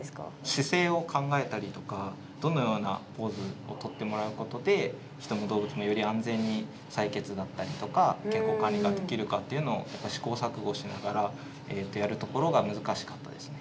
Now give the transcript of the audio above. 姿勢を考えたりとかどのようなポーズをとってもらうことで人も動物もより安全に採血だったりとか健康管理ができるかっていうのを試行錯誤しながらやるところが難しかったですね。